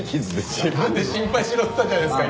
自分で心配しろって言ったじゃないですか